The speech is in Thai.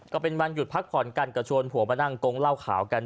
ก็เป็นวันหยุดพักผ่อนกันก็ชวนผัวมานั่งกงเหล้าขาวกัน